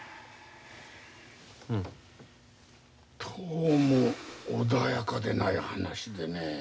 どうも穏やかでない話でね。